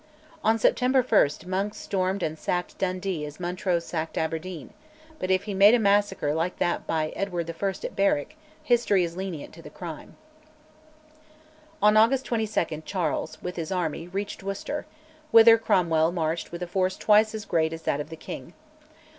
On September 1 Monk stormed and sacked Dundee as Montrose sacked Aberdeen, but if he made a massacre like that by Edward I. at Berwick, history is lenient to the crime. On August 22 Charles, with his army, reached Worcester, whither Cromwell marched with a force twice as great as that of the king.